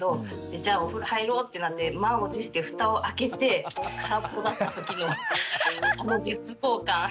じゃあお風呂入ろうってなって満を持してふたを開けて空っぽだった時のこの絶望感。